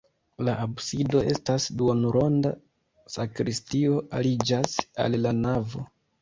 La absido estas duonronda, sakristio aliĝas al la navo.